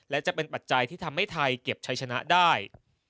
และจะเป็นปัจจัยที่ทำให้ไทยเก็บชัยชนะได้